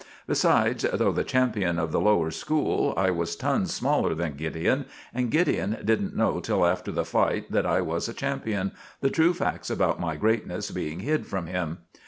Besides, though the champion of the Lower School, I was tons smaller than Gideon, and Gideon didn't know till after the fight that I was a champion, the true facts about my greatness being hid from him.